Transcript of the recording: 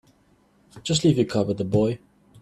Just leave your card with the boy.